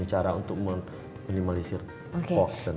cara untuk meminimalisir hoax